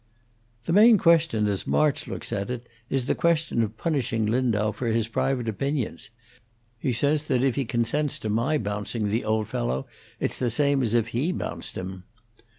"The main question, as March looks at it, is the question of punishing Lindau for his private opinions; he says that if he consents to my bouncing the old fellow it's the same as if he bounced him."